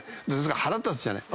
腹立つじゃない。